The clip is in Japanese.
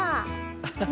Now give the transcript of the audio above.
アハハ。